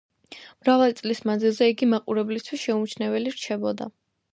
მრავალი წლის მანძილზე იგი მაყურებლისთვის შეუმჩნეველი რჩებოდა.